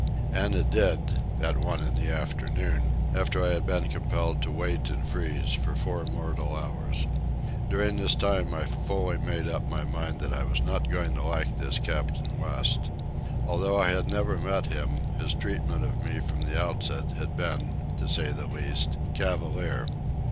And it did, at one in the afternoon, after I had been compelled to wait and freeze for four mortal hours. During this time I fully made up my mind that I was not going to like this Captain West. Although I had never met him, his treatment of me from the outset had been, to say the least, cavalier.